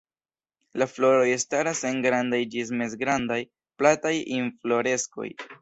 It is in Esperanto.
La floroj staras en grandaj ĝis mezgrandaj, plataj infloreskoj.